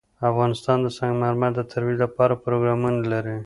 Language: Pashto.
افغانستان د سنگ مرمر د ترویج لپاره پروګرامونه لري.